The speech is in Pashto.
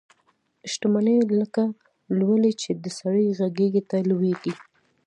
شته مني لکه لولۍ چي د سړي غیږي ته لویږي